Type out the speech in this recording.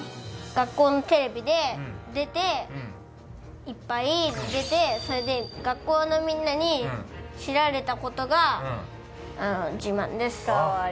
学校のテレビで出ていっぱい出てそれで学校のみんなに知られたことが自慢です